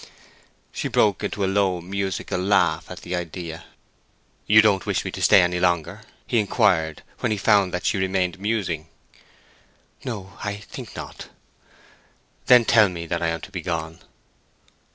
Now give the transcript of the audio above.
She broke into a low musical laugh at the idea. "You don't wish me to stay any longer?" he inquired, when he found that she remained musing. "No—I think not." "Then tell me that I am to be gone."